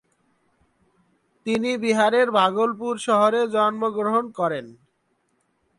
তিনি বিহারের ভাগলপুর শহরে জন্ম গ্রহণ করেন।